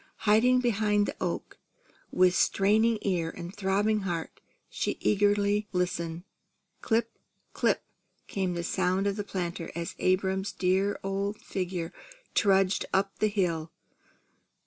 Hiding behind the oak, with straining ear and throbbing heart, she eagerly listened. "Clip, clip," came the sound of the planter, as Abram's dear old figure trudged up the hill.